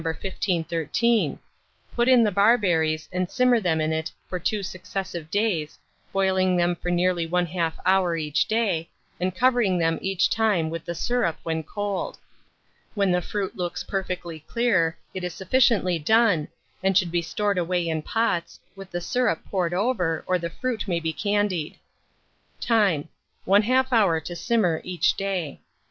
1513; put in the barberries, and simmer them in it for 2 successive days, boiling them for nearly 1/2 hour each day, and covering them each time with the syrup when cold. When the fruit looks perfectly clear, it is sufficiently done, and should be stored away in pots, with the syrup poured over, or the fruit may be candied. Time. 1/2 hour to simmer each day.